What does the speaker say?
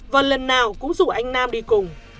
và lần nào cũng rủ anh nam đi cùng